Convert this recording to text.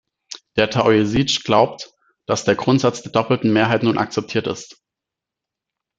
Der Taoiseach glaubt, dass der Grundsatz der doppelten Mehrheit nun akzeptiert ist.